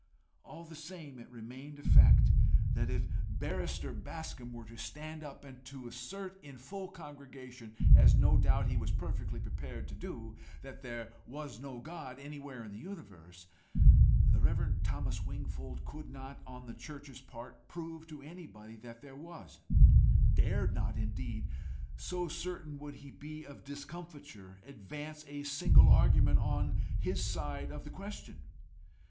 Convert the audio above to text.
All the same it remained a fact that if Barrister Bascombe were to stand up and assert in full congregation as no doubt he was perfectly prepared to do that there was no God anywhere in the universe, the Rev. Thomas Wingfold could not, on the church's part, prove to anybody that there was; dared not, indeed, so certain would he be of discomfiture, advance a single argument on his side of the question.